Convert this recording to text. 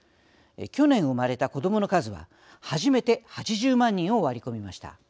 去年産まれた子どもの数は初めて８０万人を割り込みました。